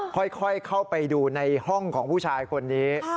ค่อยเข้าไปดูในห้องของผู้ชายคนนี้